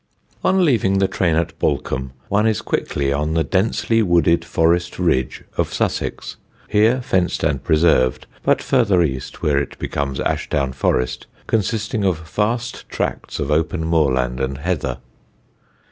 On leaving the train at Balcombe, one is quickly on the densely wooded Forest Ridge of Sussex, here fenced and preserved, but farther east, when it becomes Ashdown Forest, consisting of vast tracts of open moorland and heather.